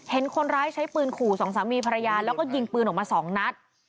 เห็นคนร้ายใช้ปืนขู่สองสามีภรรยาแล้วก็ยิงปืนออกมาสองนัด